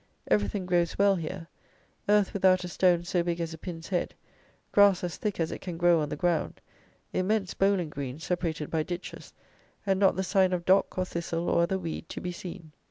Everything grows well here: earth without a stone so big as a pin's head; grass as thick as it can grow on the ground; immense bowling greens separated by ditches; and not the sign of dock or thistle or other weed to be seen.